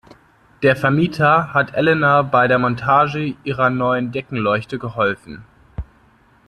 Der Vermieter hat Elena bei der Montage ihrer neuen Deckenleuchte geholfen.